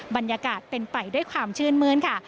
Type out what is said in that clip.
บรรยากาศเป็นไปด้วยความชื่นมื้นค่ะ